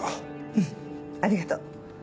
うんありがとう。